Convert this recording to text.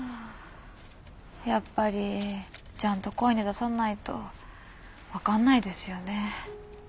やっぱりちゃんと声に出さないと分かんないですよね。